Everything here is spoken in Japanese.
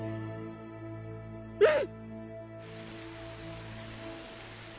うん！